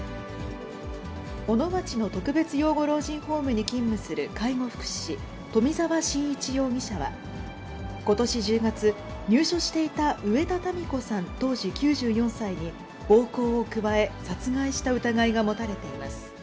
小野町の特別養護老人ホームに勤務する介護福祉士、冨澤伸一容疑者は、ことし１０月、入所していた植田タミ子さん当時９４歳に、暴行を加え、殺害した疑いが持たれています。